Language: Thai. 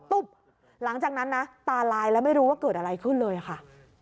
หลังจากนั้นนะตาลายแล้วไม่รู้ว่าเกิดอะไรขึ้นเลยค่ะ